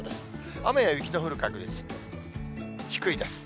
雨や雪の降る確率、低いです。